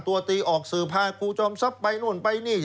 ตัวตีออกสื่อพาครูจอมทรัพย์ไปนู่นไปนี่